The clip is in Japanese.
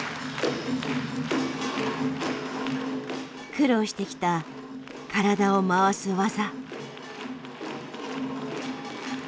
苦労してきた体を回す技。